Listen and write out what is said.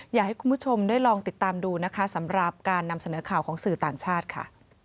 อยากให้คุณผู้ชมได้ลองติดตามดูนะคะสำหรับการนำเสนอข่าวของสื่อต่างชาติค่ะ